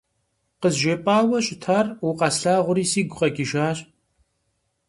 КъызжепӀауэ щытар, укъэслъагъури, сигу къэкӀыжащ.